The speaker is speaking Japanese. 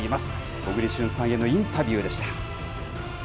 小栗旬さんへのインタビューでした。